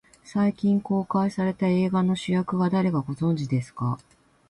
最近公開された映画の主役が誰か、ご存じですか。